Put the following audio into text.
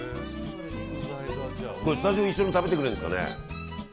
これスタジオで一緒に食べてくれるんですかね。